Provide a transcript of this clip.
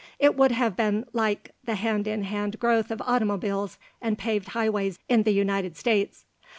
It would have been like the hand in hand growth of automobiles and paved highways in the United States.